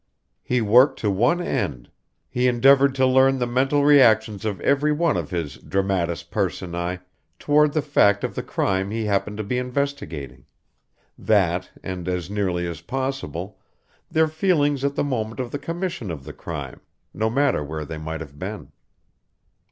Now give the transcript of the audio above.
He worked to one end he endeavored to learn the mental reactions of every one of his dramatis persoae toward the fact of the crime he happened to be investigating; that and, as nearly as possible, their feelings at the moment of the commission of the crime, no matter where they might have been.